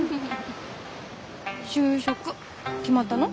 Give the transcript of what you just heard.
就職決まったの？